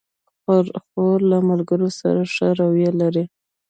خور له ملګرو سره ښه رویه لري.